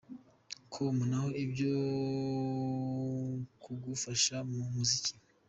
com: Naho ibyo kugufasha mu muziki.